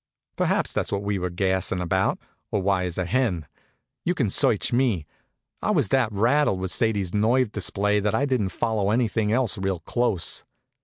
Perhaps that's what we were gassin' about, or why is a hen. You can search me. I was that rattled with Sadie's nerve display that I didn't follow anything else real close.